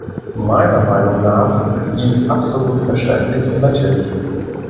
Meiner Meinung nach ist dies absolut verständlich und natürlich.